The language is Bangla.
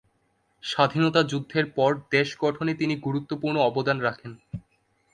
স্বাধীনতা যুদ্ধের পর দেশ গঠনে তিনি গুরুত্বপূর্ণ অবদান রাখেন।